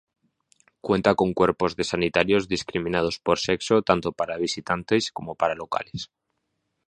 Cuenta con cuerpos de sanitarios discriminados por sexo, tanto para visitantes como para locales.